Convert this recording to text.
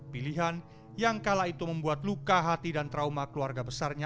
pilihan yang kala itu membuat luka hati dan trauma keluarga besarnya